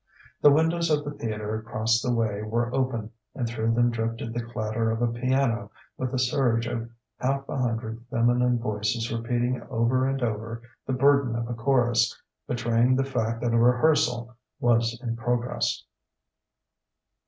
The windows of the theatre across the way were open, and through them drifted the clatter of a piano with the surge of half a hundred feminine voices repeating over and over the burden of a chorus betraying the fact that a rehearsal was in progress.